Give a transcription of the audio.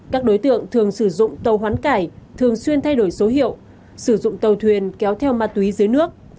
các đối tượng thường sử dụng tàu hoán cải thường xuyên thay đổi số hiệu sử dụng tàu thuyền kéo theo ma túy dưới nước